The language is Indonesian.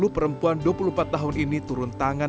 perempuan dua puluh empat tahun ini turun tangan